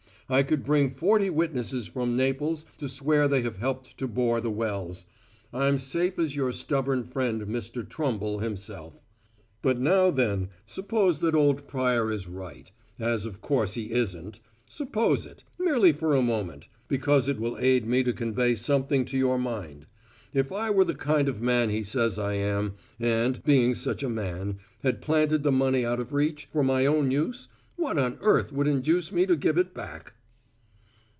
I could bring forty witnesses from Naples to swear they have helped to bore the wells. I'm safe as your stubborn friend, Mr. Trumble, himself. But now then, suppose that old Pryor is right as of course he isn't suppose it, merely for a moment, because it will aid me to convey something to your mind. If I were the kind of man he says I am, and, being such a man, had planted the money out of reach, for my own use, what on earth would induce me to give it back?"